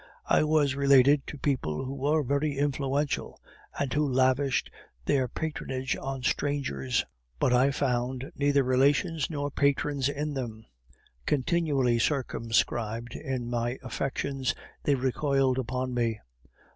I was related to people who were very influential, and who lavished their patronage on strangers; but I found neither relations nor patrons in them. Continually circumscribed in my affections, they recoiled upon me.